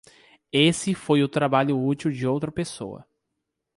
Esse foi o trabalho útil de outra pessoa.